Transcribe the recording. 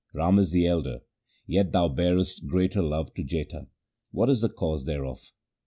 Rama is the elder, yet thou bearest greater love to Jetha. What is the cause thereof